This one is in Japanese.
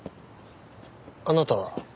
あなたは？